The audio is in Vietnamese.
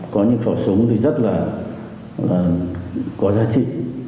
có những khẩu súng thì rất là có giá trị